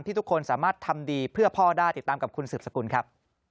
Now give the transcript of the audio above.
ทุกคนสามารถทำดีเพื่อพ่อได้ติดตามกับคุณสืบสกุลครับ